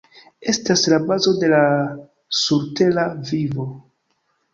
Estas la bazo de la surtera vivo.